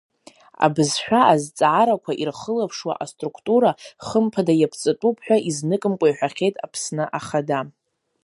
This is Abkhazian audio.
Абызшәа азҵаарақәа ирхылаԥшуа аструктура хымԥада иаԥҵатәуп ҳәа изныкымкәа иҳәахьеит Аԥсны Ахада.